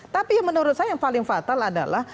tapi menurut saya yang paling fatal adalah